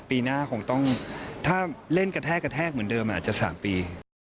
ปีหน้าคงต้องถ้าเล่นกระแทกกระแทกเหมือนเดิมอาจจะ๓ปี